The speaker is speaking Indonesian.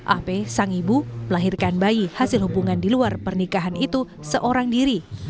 ap sang ibu melahirkan bayi hasil hubungan di luar pernikahan itu seorang diri